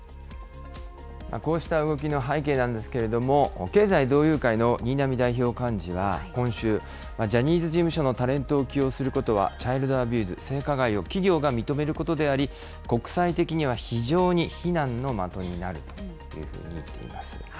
こうした動きの背景なんですけれども、経済同友会の新浪代表幹事は今週、ジャニーズ事務所のタレントを起用することは、チャイルドアビューズ・性加害を企業が認めることであり、国際的には非常に非難の的になるというふうに言っています。